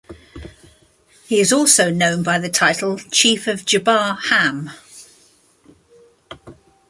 He is also known by the title ""Chief of Jaba (Ham)"".